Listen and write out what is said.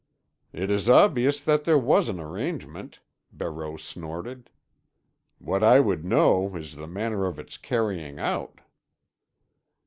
"It is obvious that there was an arrangement," Barreau snorted. "What I would know is the manner of its carrying out."